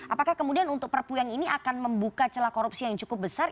apakah kemudian untuk perpu yang ini akan membuka celah korupsi yang cukup besar